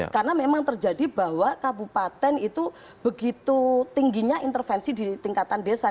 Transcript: karena memang terjadi bahwa kabupaten itu begitu tingginya intervensi di tingkatan desa